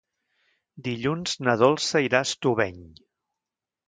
Dilluns na Dolça irà a Estubeny.